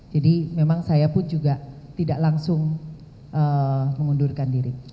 jadi memang saya pun juga tidak langsung mengundurkan diri